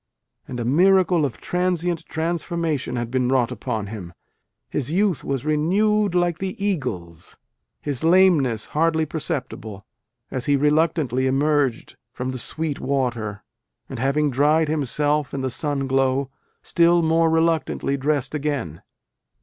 And a miracle of transient transformation had been wrought upon him. His youth was " renewed like the eagle s," his lameness hardly perceptible, as he reluctantly emerged from the sweet water, and, having dried himself in the sun glow, still more reluctantly dressed again.